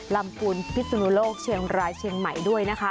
ปูนพิศนุโลกเชียงรายเชียงใหม่ด้วยนะคะ